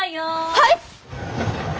はい！？